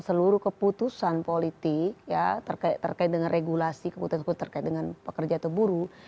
seluruh keputusan politik ya terkait dengan regulasi keputusan keputusan terkait dengan pekerja atau buruh